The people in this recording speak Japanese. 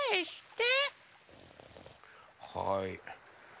はい。